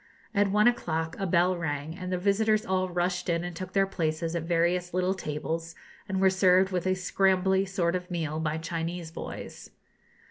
At one o'clock a bell rang, and the visitors all rushed in and took their places at various little tables, and were served with a 'scrambly' sort of meal by Chinese boys.